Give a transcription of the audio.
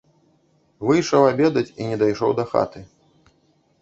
Выйшаў абедаць і не дайшоў да хаты.